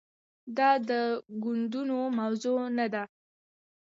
دا د ګوندونو موضوع نه ده.